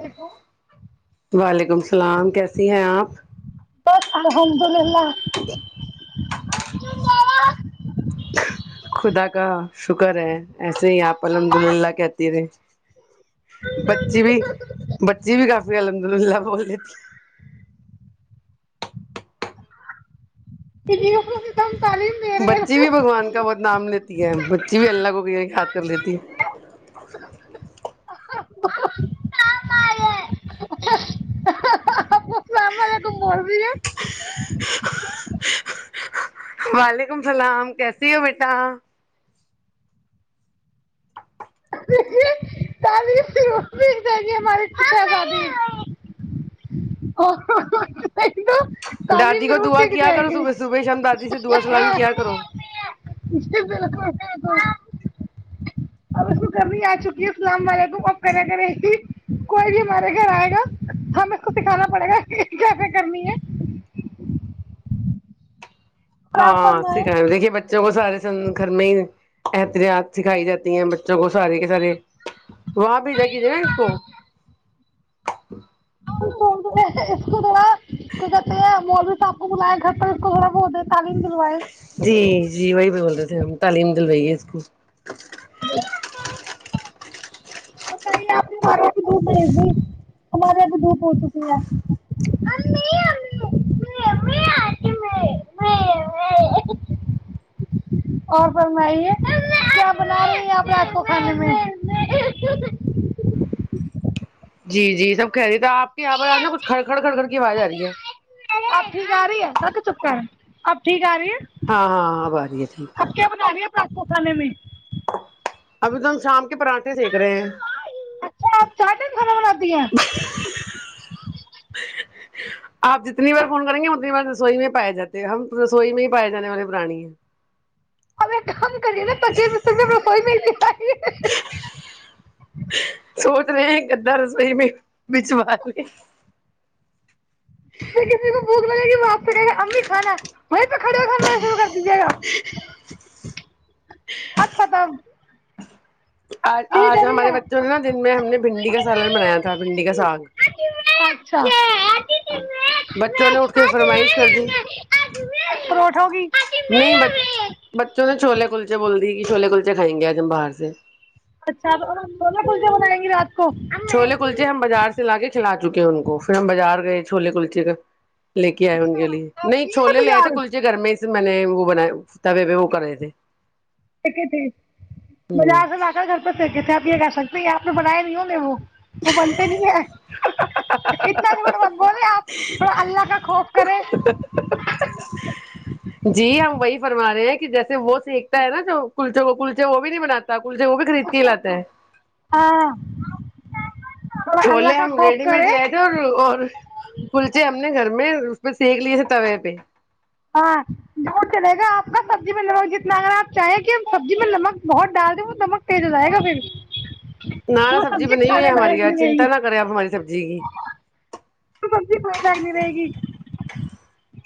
بس وعلیکم السلام کیسی ہے آپ ہ [unintelligible] پلا [unintelligible] ج [unintelligible] خدا کا شک [unintelligible] ہے ایسے ہی آپ الحمد اللہ کہتی رہے بچی بھی بچی بھی کافی الحمد ملہ بول لی ت [unintelligible] تم تالی [unintelligible] بچی بھی بگوان کا بہت نام لیتی ہے بچی بھی اللہ کو کھاد کر لیتی ہے آ [unintelligible] [inaudible] مرب ہے [unintelligible] وعلیکم السلام کیسی ہو مٹا دے گی ہماریش گ [unintelligible] تالیم دادی کو دعا ضرورتی ک د کیا ہے کرو گ صبح صبح شام دادی سے دعا [unintelligible] سلام ہاں کیا کرو اب اس کو کرنی آ چکی ہے اللام وعلیکم آپ کرا کرے کوئی بھی ہمارے گھر آئے گا ہم اس کو دکھانا پڑے گا کیسے کرنی ہے آپ ہاں فرمائیں سھا دیکھیے بچے [unintelligible] بچوں کو سارے سن گھر میں ہی احتیاط سکھائی جاتی ہیں بچوں کو سارے کے سارے وہاں بھیجا کیجیے نا اس کو اس کو ذرا کہتے ہیں وہ بھی سپ کو بلایا گھر پہ اس کو ذرا وہ دی جی جی وہی بھی بول رہ تھ تعلیم دلویے اس کو ہ [unintelligible] د ہمارے یہ دھپ ہو چکی ہے اور فرمائی کیا بنا رہی آپ رات کو کھانے میں [inaudible] ج ج [inaudible] جی جی یہ سب کہہ رہی تھ تو آپ کے یہاں پر آج نا کچھ کڑ کڑ کڑ کڑ کی آواز آ رہی ہے [unintelligible] اب ٹھیک آ رہی ہے س چپ کر اپ ٹھیک آ رہی ہے ہاں ہاں آب آ رہی ہے ٹھیک ہے کوھا نم [inaudible] ابھی تو ہم شام کو پراٹھے سیکک رہے ہیں اچھا آپ چار ٹائم کھانا بناتی ہیں آپ جتنی بار فون کریں گے اتنی بار رسوئی میں پائے جاتے ہم رسوئی میں ہی پائے جانے والے پرانی ہیں اب ایک کام کریے نا تے رسوئی م [inaudible] تنے ادا رسوئی میں بچ مار لی [inaudible] ل کسی کو بوک لگے گ آپ سے کہ امی کھانا وہیں پہ کھڑے کھا شروع کر دیجیے گا ا ختم آ یہی آج ہمارے کریے آپ بچوں نے نا دن میں ہم نے بھنڈی کا سالن بنایا تھا بھنڈی کا ساگ اچھا بچوں نے اٹھ کے فرمائش کر دی پروٹھوں کی نہیں ب بچوں نے چھولے کلچے بول دی چھولے کلچے کائیں گے آج ہم باہر سے اچھا تو اور ہم روزہ پزیا بنائیں گے رات کو چھولے کلچے ہم اچھا بازار سے لا کے کھلا چکے ہیں ان کو پھر ہم بازار گئے چھوولے کلچے کا لے کے آئے ان کے لیے آپ نہیں یہ چھوولے لئے بازار تھے کلچے گھر میں میں نے وہ بنا تبے پہ وہ کرے تھے ایکے تھے ہوں بازار سے ل کر گڑ پتے تھے اب یہ کہ سکتے آپ نے بنایا نہیں ہوں میں وہ وہ بولتے نہیں ہے اتنا تھوڑا بت بولے آپ تھوڑا اللہ کا خوف کرے فماے ہیں کہ جیسے ہو س سیک ایکتا ہے نا جو کلچوں کو کلچے وہ بھی نہیں باتا کل جے وہ بھی خرید کے ہی لاتے ہیں ہاں تھوڑا اللہ چھولے کا ہم خوف ریڈی مڈ کرے لے تھ اور اور کلچے ہم نے گھر میں اس پہ سینک لیے تھے توے پہ ہاںور چلے گا آپ کا سبزی میں نمک جتنا اگر آپ چاہیں کہ سبزی میں نمک بہت ڈال دیں وہ نمک تیز ہو جائے گا پھر نہ پھر نہ وہ سبزی بنی ہوئی ہے کھانے ہماری لائق ار نہیں رہے چنتا گی نہ کریں آپ ہماری سبزی کی تو سبزی کھانے لائق نہیں رہے گی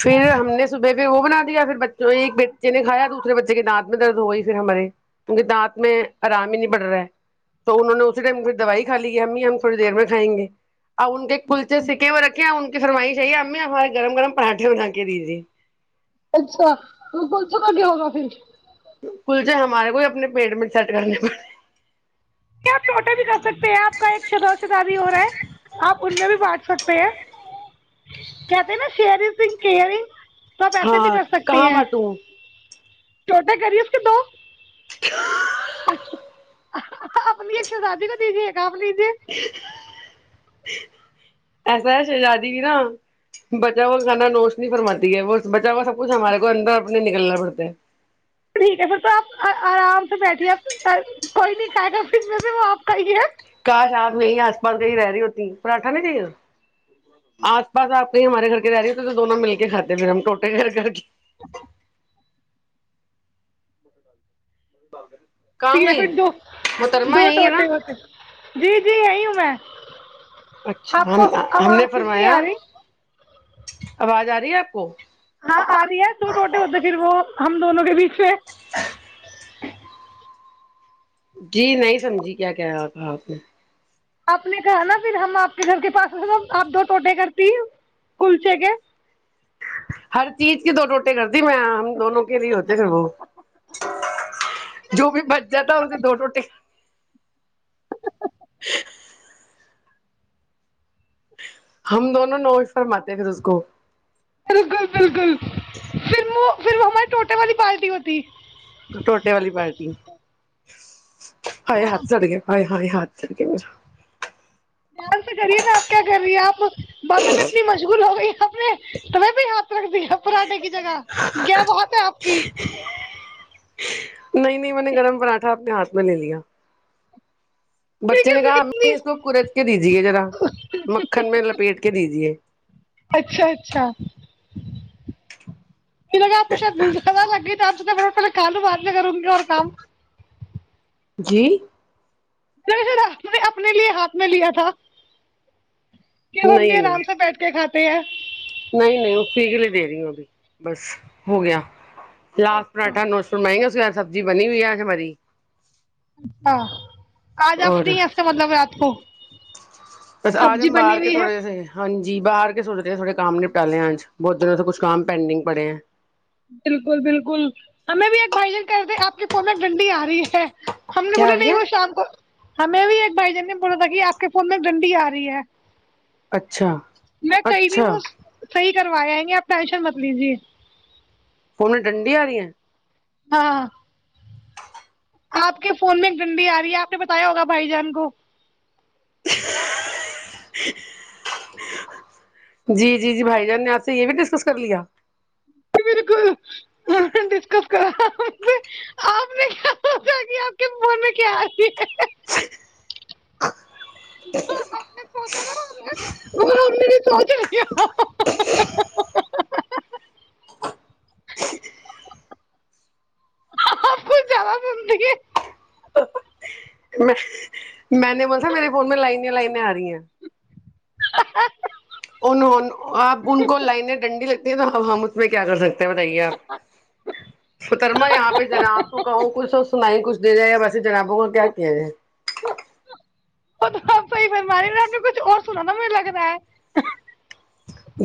پھر ہم نے صبح پہ وہ بنا دیا پھر بچ ایک بیٹے نے کھایا دوسرے بچے کے دانت میں درد ہو گئی پھر ہمارے کی کے دانت میں آرام ہی نہیں پڑ رہا ہے تو انہوں نے اسی ٹائم پھر دوائی کا لی ہے ہممی ہم تھوڑی دیر میں کائیں گے اور ان کے کلچے سکے ہوئے رکھے ہیں فرمائی چاہیے ا ہممی آ ہمارے گرم گم پراٹھے بنا کے دیجے اچھا تو کون سو گٹے ہوگا پھر کلچے ہمارے کوئی اپنے پیٹ میں سیٹ کرنے پڑتے کیا آپ ٹوٹے بھی کر سکتے ہیں آپ کا ایک شد شد بھی ہو رہا ہے آپ ان میں بھی بانٹ سکتے ہیں کہتے ہیں نا شرزئرگ ہاں کہاں بٹوں چھوٹا کریس کہ تو [inaudible] کبلیجے ایسا ہے شہزادی بھی نا بچا ہوا کھانا نوشنی فرماتی ہے وہ بچا ہوا سب کچھ ہمارے کو اندر اپنے نکلنا پڑتا ہے ٹھیک ہے پھر تو آپ آرام سے بیٹھیے کوئی نہیں کائے گ دن میں سے وہ آپ کھائیے کاش آپ نہیں آس پاس کہیں رہ رہی ہوتی پراٹھا نہیں چاہیے تھا آس پاس آپ کہیں ہمارے گھر کے رہ رہی ہوتی تو دونوں مل کے کاتے پھر ہم ٹوٹے گھر کر کے م کر یک ہے پھر دو دو یہی ہے نا ٹوٹے ہوتے جی ی آئی ہوں میں اچھا آپ ہم کو ہم نے آواز نہیں فرمایا آ رہی آواز آ رہی ہے آپ کو ہاں آا رہی ہے تو ٹوٹے ہوتے پھر وہ ہم دونوں کے بیچ میں جی نہیں سمجھی کیا کہہ رہا تھا آپ نے آپ نے کہا نا پھر ہم آپ کے گھر کے پاس آپ دو ٹوٹے کرتی ہیں کلچے کے ہر چیز کی دو روٹے کرتے میں ہم دونوں کے لیے ہوتے پھر وہ جو بھی بچ جاتا اس کے دو ٹوٹے ہم دونوں نوش فرماتے ہیں پھر اس کو بالکل بالکل فم پھر وہ ہمارے ٹوٹے والی پالٹی ہوتی ک ٹوٹے والی پارٹی [inaudible] ہ ہات سار گے ہائی ہات ت کے میرا بال سے غریب ہے آپ کیا کر رہی آپ بات میں اتنی مجبور ہو گئی نے تہیں بھی ہاتھ رکھ دیا پراانے کی جگہ گ بہت ہے آپ کی نہیں نہیں میں نے گرم پراٹھا اپنے ہاتھ میں لے لیا بچے نے کہا ممی اتنی اس کو قد کے دیجیے ذرا مکھن میں لپیٹ کے دیجیے اچھا اچھا پہ کاالو بد ل کر ان کیا اور کام جی ررا نے اپنے لیے ہاتھ میں لیا تھا کہ ہم بھی نہیں آرام سے نہیں بیٹھ کے کاتے نہیں نہیں اسی کے لیے دے رہی ہوں ابھی بس ہو گیا للاس اچھا پراھا نو سو مہنگا سبزی بنی ہوئی ہے مری اچھا آج آپ فری ہیں سے مطلب رات کو پسے آ سبزی جان بنی باہر کے ہوئی ہے تھوڑے ج تھ ہاں جی باہر کے سوچے ہیں تھوڑے کام نپٹا لے ہیں انج بہت جن ا سےے کچ کام پینڈنگ پڑے ہیں بالکل بالکل ہمیں بھی ایڈائزن کر آپ کی فون ڈنڈی آ رہی ہے ہم نے کیا بولا آ رہی نہیں ہے وہ شام کو ہمیں بھی ایک بھائی جن نے بولا تھا کہ آپ کے فون میں ڈنڈی آ رہی ہے اچھا میں کہیں بھی اچھا وہ صحیح کروا جائیں گے آپ ٹینشن مت لیجیے فون ڈنڈی آ رہی ہیں ہاں آپ کے فون میں ایک ڈنڈی آ رہی ہے آپ نے بتایا ہوگا بھائی جان کو [inaudible] جی جی جی بھائی جان نے آپ سے یہ بھی ڈسکس کر لیا بالکل ڈسکس کرا آپ نے کیا سوچا کہ آپ کے من میں کیا آتی آپ نے سوچ [unintelligible] وہ سوچ رہی آپ کچھ زیادہ سنتی ہے میں میں نے بول س میرے فون میں لائن لائن آ رہی ہیں [inaudible] ان آپ ان کو لائن ڈنڈی لگ ہم اس پ میں کیا کر سکتے بتائیے آپ فترما یہاں پہ ج نا آپ کو کہوں کچھ اور سنائ کچھ دے دے وسے جناب بگ کیا کیا وہ تو آی بماری رہ نے کچھ اور سنا نہ مجھ لگتا ہے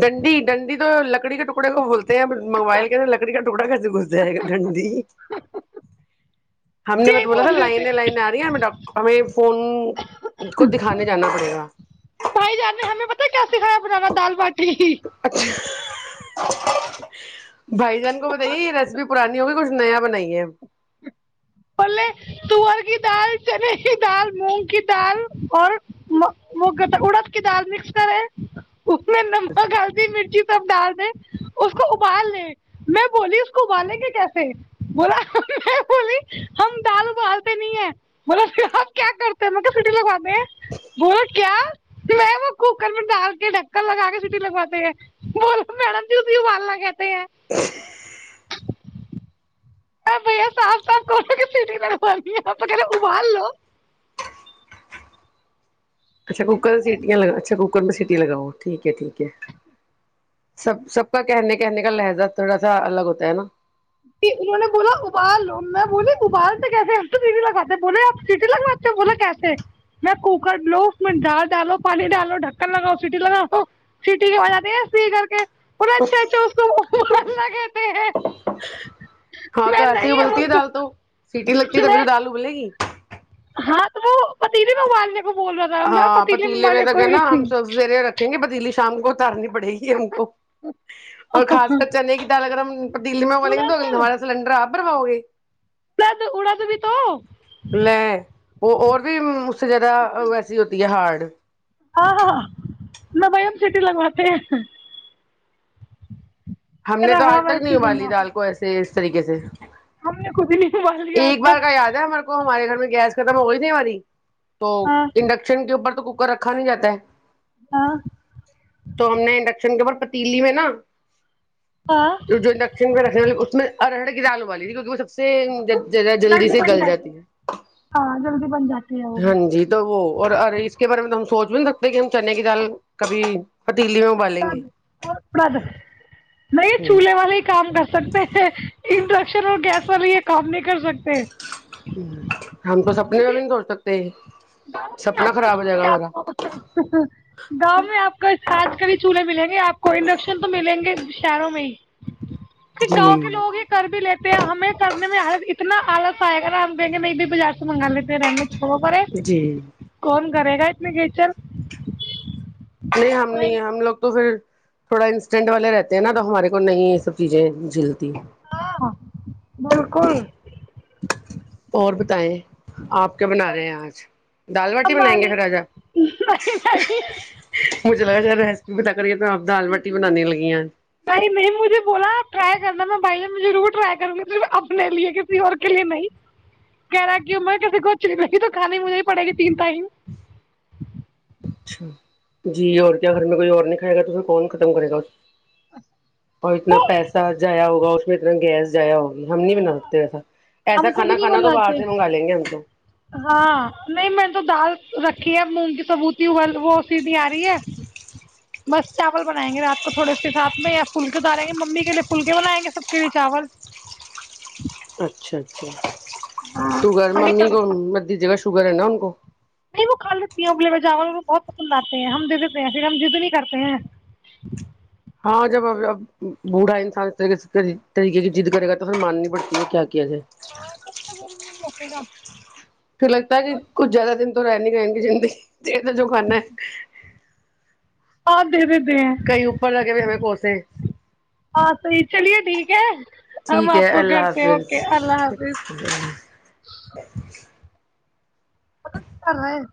ڈنڈی ڈنڈی تو لکڑی کے ٹکڑے کو بولتے موبائل کے انر لکڑی کا ٹکڑا کیسے گھس جائے گا ٹھنڈی ہم نے میں یہی تو بولا تھا بول رہے لائنے تھے لائنے آ رہی ہیں ہمیں ہمیں فون کو دکھانے جانا پڑے گا کھا بنانا دال باٹی ج [unintelligible] بھائی جان کو بتائیے یہ ریسیپی پرانی ہوگی کچھ نیا بنائیے بولے تور کی دال چنے کی دال مونگ کی دال اور اڑد کی دال مکس کرے اس میں لمکا کالتی مرچی سب ڈال دے اس کو ابال لے میں بولی اس کو ابالیں گے کیسے بولا میں بولی ہم دال ابالتے نہیں ہے بو ہم کیا کرتے ہیں م سٹی لگواتے ہیں بولو کیا وہ کوکر میں ڈال کے ڈکر لگا کے سٹی لگواتے ہیں بولو میڈم جی بھی ابالنا کہتے ہیں ا بھیا صاف صاف کو سٹی لڑونی ہے بغیر ابال لو اچھا کوکر سیٹ لا اچھاک کر میں سیٹی لگاؤ ٹھیک ہے ٹھیک ہے سب سب کا کہنے کہنے کا لہجہ تھوڑا سا الگ ہوتا ہے نا انوں نے بولا ابال لو میں بوول ابالتے کیسے سٹی لگاتے بولے آپ سیٹی لگواتے بوللا کیسے میں کوکر لو اس میں ڈال ڈالو پانی ڈالو ڈھکن لگاؤ سیٹی لگاو سیٹی کے آ سی کر کے [unintelligible] پ اچھا اچھا اس کو لہ کہتے ہیں ہاں تو میں ایسے ہی نہیں ہم بولتی ہے اس دال تو کو سیٹی لگتی میں تبھی توال بل گی ہاں تو وہ پتیلے موائالنے ہاں پتیلے وغیرہ میں نا ہم نہیں سبزی وغیرہ رکھیں گے [inaudible] ڈیلی شام کو ارنی پڑے گی ہم کو اور خاص کر چنئی کی دال اگر ہم دلی میںا لیں گے تو ہمارا سلینڈر آپ [inaudible] برواؤ گے [inaudible] اا اڑااز بھی تو [inaudible] لے وہ اور بھی بند ہاں ہاں نہ بھائی ہم سیٹی لگواتے ہیں ہم نے تو رہا آج ہاں تک ویسے نہیں ہی ابالی بناؤ دال کو ایسے اس طریقے سے ہم نے خود ہی نہیں ابال لیا آج ایک بار تک کا یاد ہے میرے کو ہمارے گھر گیس ختم ہوئی تھی ہماری تو ہاں انڈکشن کے اوپر تو کوکر رکھا نہیں جاتا ہے ہاں تو ہم نے انڈکشن کے اوپر پتیلی میں نا ہاں جو انڈکشن پہ رکھنے والی اس میں ارہر کی دال ابالی تھی کیونکہ وہ سب سے زیادہ جلدی سے گل جاتی ہے ہاں جلدی بن جاتی ہے وہ ہاں جی تو وہ اور ارے اس کے بارے میں تو ہم سوچ رکھتے کہ ہم چنے کی دال کبھی پتیلی میں ابالیں پڑ گے ب پڑد نہیں چولہے والے ہی کام کر سکتے ہیں انڈکشن اور گیس والے یہ کام نہیں کر سکتے ہم تو سب کیونکہ [inaudible] پ گاؤں میں آج کل چولہے آپ کو گاؤں میں آپ کا آج کل چولہے ملیں گے آپ کو انڈکشن تو ملیں گے شہروں میں ہی کیونکہ گاؤں کے لوگ جی ہی کر بھی لیتے ہیں ہمیں کرنے میں اتنا آلص آئے گا نا ہم کہیں گے نہیں بھائی بازار سے منگا لیتے ہیں رہنے دو چھوڑو جی کون کرے گا اتنے [inaudible] نہیں ہم نہیں ہم لوگ تو پھر تھوڑا انسٹینٹ والے رہتے ہیں نا تو ہمارے کو نہیں یہ سب چیزیں جھیلتی ہاں بالکل اور بتائیں آپ کیا بنا رہے ہیں آج دال باٹی بنائیں گے ہماری پھر آج نہیں نہیں آپ مجھے لگا شاید ایسے [inaudible] بھائی نے مجھے بولا ٹرائی کرنا نہ پہلے مجھے رو ٹرائی کر لی پھر اپنے لیے کسی اور کے لیے نہیں کہہ رہا کی ک کوچلی رہی تو کھانے مجھے پڑے گی تین تائم [inaudible] جی اور کیا گھر میں کوئی اور نہیں بیگن کو کون ختم کرے گا اور اتنا پیسہ جایا ہوگا اس میں اتنا گیس جایا ہوگی ہم نہیں بناتے ایسا ایسا ہم کچھ کھانا نہیں کھانا تو باہر بناتے سے منگا لیں گے ہم تو ہاں نہیں میں تو دال رکھ مونگ کی سبوتی ہو وہ سیدھی آ رہی ہے بس چاول بنائیں گے رات کو تھوڑے سے ساتھ میں یا پھلکے ڈالیں گے ممی کے لیے پھلکے بنائیں گے سب کے لیے چاول اچھا اچھا ہاں شوگر وہی ممی کو تڑکا مت دے چاول شگر ہے نا ان کو نہیں وہ کھا لیتی ہیں ابلے ہوئے جاول کو بہت پسند آتے ہیں ہم دے دیتے ہیں پھر ہم ضد نہیں کرتے ہیں ہاں جب اب بوڑھا انسان اس طریقے طریقے کی ضد کرے گا تو پھر ماننی پڑے گی کیا جائے ہاں کب تک گھومو گے [unintelligible] پرانے گان کی زندگی جسے جو کھانا ہے اور دے دیتے ہیں کہیں اوپر لگے ہوئے ہمیں کوسے ہاں صحیح چلیے ٹھیک کی [unintelligible] ٹھیک ہے اللہ حافظ اللہ حافظ مدد کر رہے ہیں